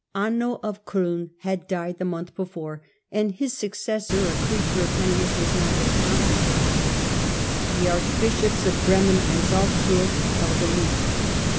Anno of C6ln had died the month before, and his successor, a creature of Henry's, was not yet consecrated. The archbishops of Bremen and Salzburg held aloof.